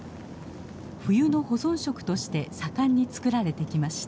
冬の保存食として盛んに作られてきました。